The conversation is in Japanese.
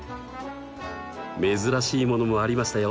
珍しいものもありましたよ！